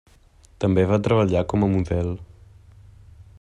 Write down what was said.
També va treballar com a model.